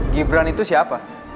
gibran itu siapa